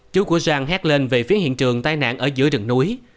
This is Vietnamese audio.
chú của zhang hét lên về phía hiện trường tai nạn ở giữa đường núi